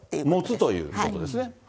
持つということですね。